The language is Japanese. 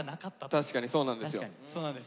確かにそうなんですよ。